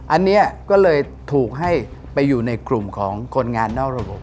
อันนี้ก็เลยถูกให้ไปอยู่ในกลุ่มของคนงานนอกระบบ